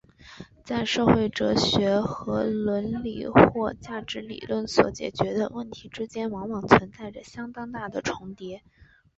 在社会哲学和伦理或价值理论所解决的问题之间往往存在着相当大的重叠。